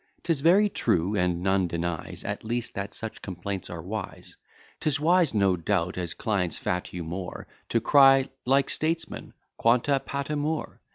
'Tis very true, and none denies, At least, that such complaints are wise: 'Tis wise, no doubt, as clients fat you more, To cry, like statesmen, _Quanta patimur!